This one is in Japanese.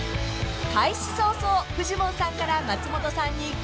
［開始早々フジモンさんから松本さんにクレーム］